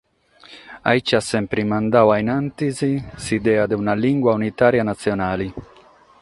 Gasi at semper mandadu a in antis s’idea de una limba unitària natzionale.